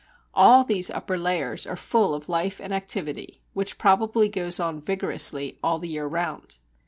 All these upper layers are full of life and activity, which probably goes on vigorously all the year round.